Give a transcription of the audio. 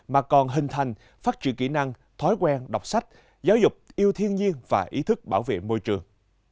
mà còn hình thành phát triển kỹ năng thói quen đọc sách giáo dục yêu thiên nhiên và ý thức bảo vệ môi trường